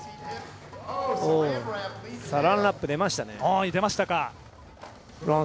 ランアップ出ましたね。